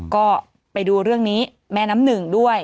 ก็ไปดูเรื่องนี้แม่น้ำหนึ่งด้วย